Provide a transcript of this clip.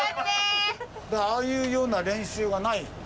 だからああいうような練習がないの。